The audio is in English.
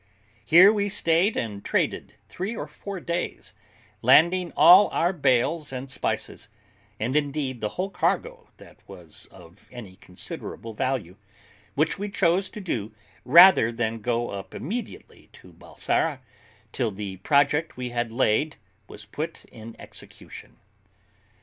Here we stayed and traded three or four days, landing all our bales and spices, and indeed the whole cargo that was of any considerable value, which we chose to do rather than go up immediately to Balsara till the project we had laid was put in execution.